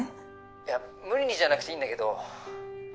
いや無理にじゃなくていいんだけど。